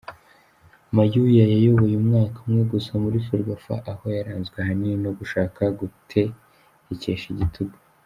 Mayuya yayoboye umwaka umwe gusa muri Ferwafa aho yaranzwe ahanini no gushaka gutegekesha igitugu.